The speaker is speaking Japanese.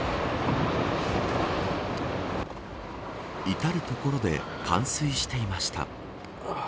至る所で冠水していました。